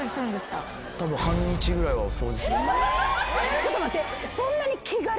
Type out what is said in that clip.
ちょっと待って。